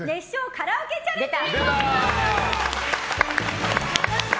カラオケチャレンジ！